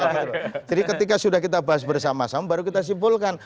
jadi ketika sudah kita bahas bersama sama baru kita simpulkan